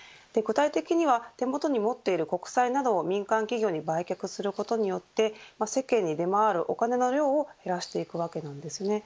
具体的には手元に持っている国債などを民間企業に売却することで世間に出回るお金の量を減らしていくわけなんです。